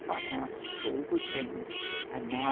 fine house, with all good things ; and Na.